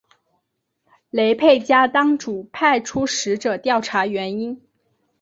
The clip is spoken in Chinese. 雷沛家当主派出使者调查原因。